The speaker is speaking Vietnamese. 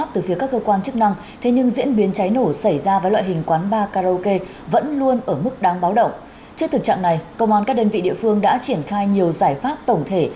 trong thời gian này công an các đơn vị địa phương đã triển khai nhiều giải pháp tổng thể